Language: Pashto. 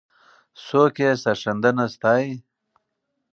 څوک یې سرښندنه ستایي؟